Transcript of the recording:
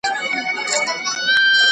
حیات الله د خپل زوړوالي په اړه فکر کوي.